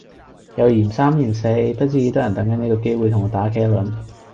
又嫌三嫌四不知幾多人等緊呢個機會同我打茄輪